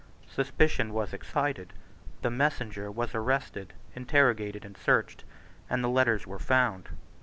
Suspicion was excited. The messenger was arrested, interrogated, and searched; and the letters were found.